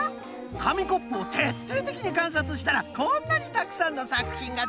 かみコップをてっていてきにかんさつしたらこんなにたくさんのさくひんができたぞい。